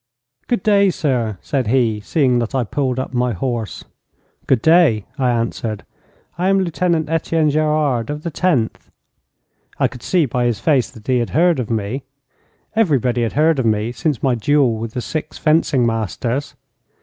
'Good day, sir,' said he, seeing that I pulled up my horse. 'Good day,' I answered. 'I am Lieutenant Etienne Gerard, of the Tenth.' I could see by his face that he had heard of me. Everybody had heard of me since my duel with the six fencing masters.